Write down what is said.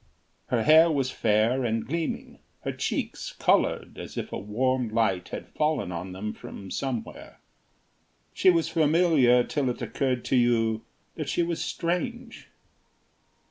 Her hair was fair and gleaming, her cheeks coloured as if a warm light had fallen on them from somewhere. She was familiar till it occurred to you that she was strange.